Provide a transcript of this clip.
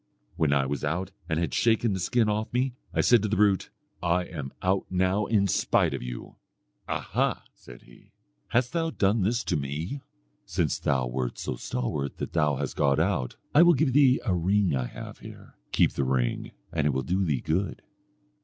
When I was out and had shaken the skin off me, I said to the brute, 'I am out now in spite of you.' "'Aha!' said he, 'hast thou done this to me? Since thou wert so stalwart that thou hast got out, I will give thee a ring that I have here; keep the ring, and it will do thee good.'